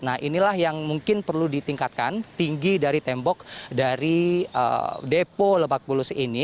nah inilah yang mungkin perlu ditingkatkan tinggi dari tembok dari depo lebak bulus ini